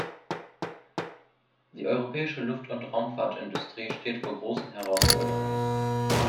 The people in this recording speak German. Die europäische Luft- und Raumfahrtindustrie steht vor großen Herausforderungen.